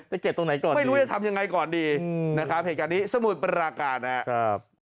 เก็บตรงไหนก่อนไม่รู้จะทำยังไงก่อนดีนะครับเหตุการณ์นี้สมุทรปราการนะครับ